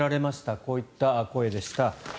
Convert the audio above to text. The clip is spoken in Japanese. こういった声でした。